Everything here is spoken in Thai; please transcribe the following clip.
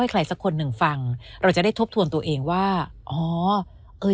ใครสักคนหนึ่งฟังเราจะได้ทบทวนตัวเองว่าอ๋อเอ้ย